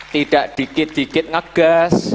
tidak dikit dikit ngegas